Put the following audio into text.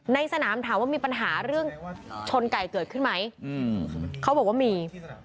ในสนามถามว่ามีปัญหาเรื่องชนไก่เกิดขึ้นไหมเขาบอกว่ามี